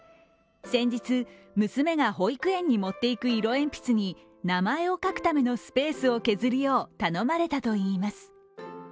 先日、娘が保育園に持っていく色鉛筆に名前を書くためのスペースを削るよう頼まれたといいます。